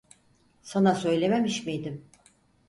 Sana söylememiş miydim?